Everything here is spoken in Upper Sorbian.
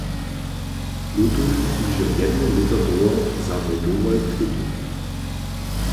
Lutuju hižo jedne lěto dołho za mój dowol klětu.